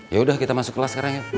yaudah kita masuk kelas sekarang yuk